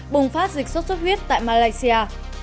bùng phát dịch sốt ruốc huyết tại malaysia